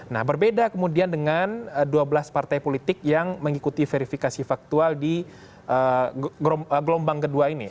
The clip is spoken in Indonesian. nah berbeda kemudian dengan dua belas partai politik yang mengikuti verifikasi faktual di gelombang kedua ini